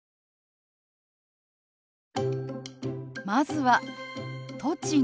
まずは「栃木」。